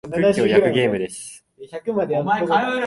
クッキーを焼くゲームです。